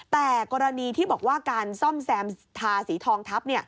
แต่กรณีที่บอกว่าการซ่อมแซมทาสีทองทัพ